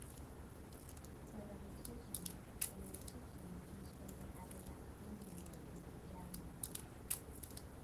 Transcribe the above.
By reputation, the name "Poocham" comes from an Abenaki Indian word meaning "gathering place".